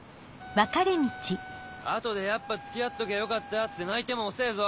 後でやっぱ付き合っときゃよかったって泣いても遅ぇぞ。